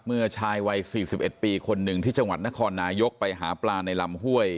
เมื่อชายวัย๔๑ปีคนหนึ่งที่จังหวัดนครนายกไปหาปลาในลำห้วย